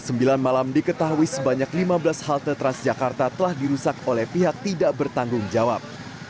pukul sembilan malam diketahui sebanyak lima belas halte transjakarta telah dirusak oleh pihak tidak bertanggung jawab